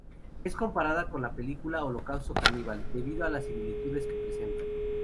Es comparada con la película "Holocausto caníbal" debido a las similitudes que presentan.